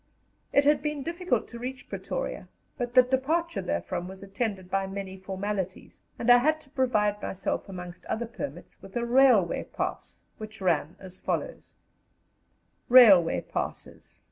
It had been difficult to reach Pretoria, but the departure therefrom was attended by many formalities, and I had to provide myself, amongst other permits, with a railway pass, which ran as follows: RAILWAY PASSES.